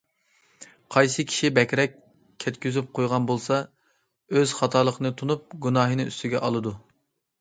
قايسى كىشى بەكرەك كەتكۈزۈپ قويغان بولسا ئۆز خاتالىقىنى تونۇپ، گۇناھىنى ئۈستىگە ئالىدۇ.